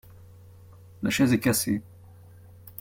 La chaise est cassée.